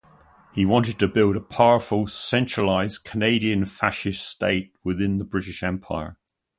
He wanted to build a powerful centralized Canadian Fascist state within the British Empire.